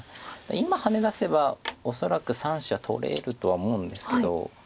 今ハネ出せば恐らく３子は取れるとは思うんですけど。